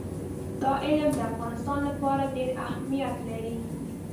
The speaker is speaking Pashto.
دا علم د افغانستان لپاره ډېر اهمیت لري.